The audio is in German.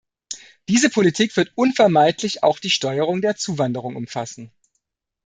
Diese Politik wird unvermeidlich auch die Steuerung der Zuwanderung umfassen.